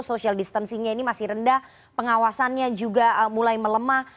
social distancingnya ini masih rendah pengawasannya juga mulai melemah